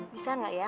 bisa gak ya